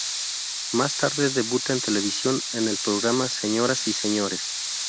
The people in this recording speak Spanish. Más tarde debuta en televisión en el programa "¡Señoras y señores!